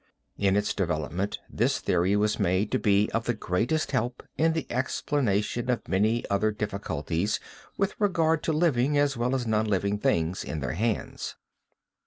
In its development this theory was made to be of the greatest help in the explanation of many other difficulties with regard to living as well as non living things in their hands.